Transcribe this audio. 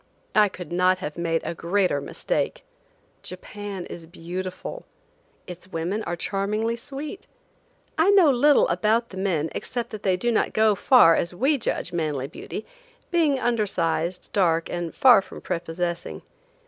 I could not have made a greater mistake. Japan is beautiful. Its women are charmingly sweet. I know little about the men except that they do not go far as we judge manly beauty, being undersized, dark, and far from prepossessing.